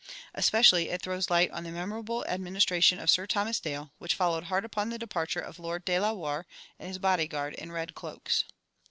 Especially it throws light on the memorable administration of Sir Thomas Dale, which followed hard upon the departure of Lord de la Warr and his body guard in red cloaks.